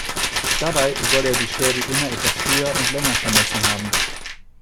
Dabei soll er die Schädel immer etwas höher und länger vermessen haben.